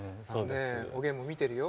おげんも見てるよ。